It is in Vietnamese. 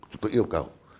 chúng ta yêu cầu